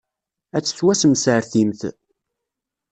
Ad tettwassemsertimt.